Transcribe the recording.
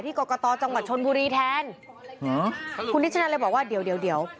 ที่กอกกตอจังหวัดชนบุรีแทนหาคุณนิชาดลัยบอกว่าเดี๋ยวเดี๋ยวเดี๋ยว